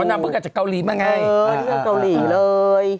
เค้านำเมื่อก่อนจากเกาหลีมาไงเออเรื่องเกาหลีเลย